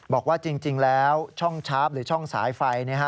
บอกว่าจริงแล้วช่องชาร์ฟหรือช่องสายไฟ